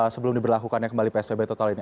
sebelum diberlakukannya kembali psbb total ini